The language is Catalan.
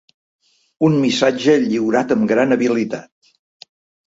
Un missatge lliurat amb gran habilitat.